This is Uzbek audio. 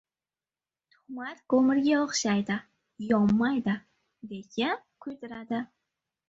• Tuhmat ko‘mirga o‘xshaydi, yonmaydi, lekin kuydiradi.